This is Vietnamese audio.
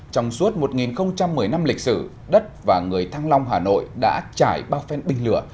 trong suốt một nghìn một mươi năm lịch sử đất và người thăng long hà nội đã trải bao phen binh lửa